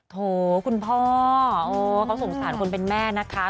โถคุณพ่อเขาสงสารคนเป็นแม่นะคะ